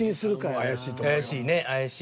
怪しい怪しい。